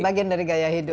bagian dari gaya hidup